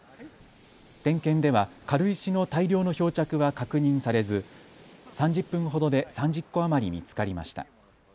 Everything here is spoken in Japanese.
点検では軽石の大量の漂着は確認されず３０分ほどで３０個余り見つかりました。